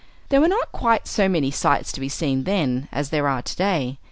There were not quite so many sights to be seen then as there are today.